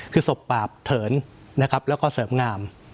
คือศพปาบเถินนะครับแล้วก็เสริมงาม